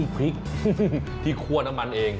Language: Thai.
พริกที่คั่วน้ำมันเอง